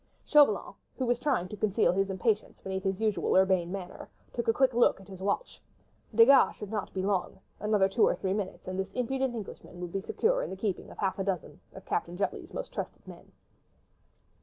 Chauvelin, who was trying to conceal his impatience beneath his usual urbane manner, took a quick look at his watch. Desgas should not be long: another two or three minutes, and this impudent Englishman would be secure in the keeping of half a dozen of Captain Jutley's most trusted men.